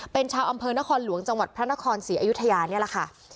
เป็นชาวอำเภอนครหลวงจังหวัดพระนครศรีอยุธยานี่แหละค่ะ